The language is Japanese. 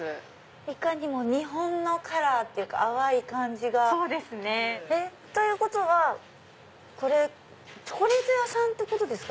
いかにも日本のカラーっていうか淡い感じが。ということはチョコレート屋さんですか？